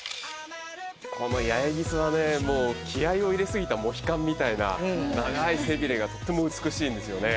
このヤエギスはねもう気合いを入れすぎたモヒカンみたいな長い背びれがとっても美しいんですよね